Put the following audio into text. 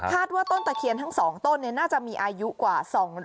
ว่าต้นตะเคียนทั้ง๒ต้นน่าจะมีอายุกว่า